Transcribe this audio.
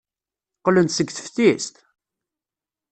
Qqlen-d seg teftist?